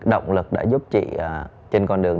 động lực đã giúp chị trên con đường